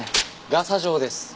ガサ状です。